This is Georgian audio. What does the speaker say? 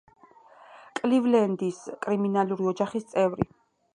კლივლენდის კრიმინალური ოჯახის წევრი.